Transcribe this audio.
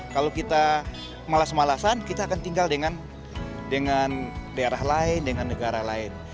kalau kita malas malasan kita akan tinggal dengan daerah lain dengan negara lain